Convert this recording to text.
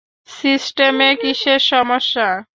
সিস্টেমে কীসের সমস্যা?